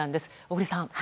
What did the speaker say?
小栗さん。